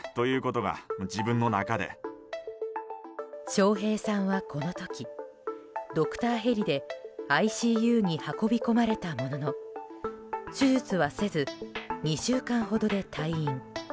笑瓶さんはこの時ドクターヘリでＩＣＵに運び込まれたものの手術はせず、２週間ほどで退院。